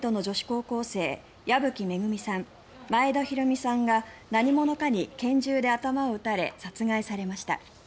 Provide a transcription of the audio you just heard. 高校生矢吹恵さん、前田寛美さんが何者かに拳銃で頭を撃たれ殺害されました。